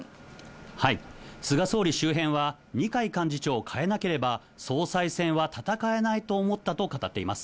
菅総理周辺は、二階幹事長を代えなければ、総裁選は戦えないと思ったと語っています。